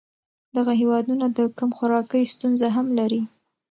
دغه هېوادونه د کم خوراکۍ ستونزه هم لري.